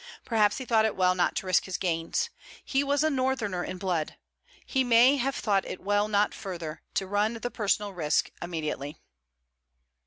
Perhaps he thought it well not to risk his gains. He was a northerner in blood. He may have thought it well not further to run the personal risk immediately.